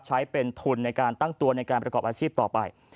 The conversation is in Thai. ใช้เป็นทุนในการตั้งตัวในการประกอบอาชีพต่อไป